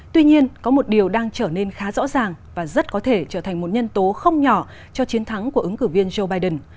tuy nhiên có một điều đang trở nên khá rõ ràng và rất có thể trở thành một nhân tố không nhỏ cho chiến thắng của ứng cử viên joe biden